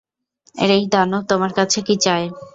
এই দানব তোমার কাছে কী চায়?